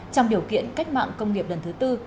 trong điều kiện cách mạng công nghiệp lần thứ tư